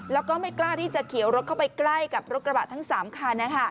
แล้วก็ไม่กล้าที่จะเขียวรถเข้าไปใกล้กับรถกระบะทั้ง๓คัน